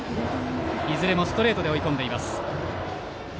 いずれもストレートで追い込んでいます。